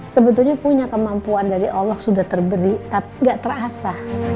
sebetulnya punya kemampuan dari allah sudah terberi tapi gak terasa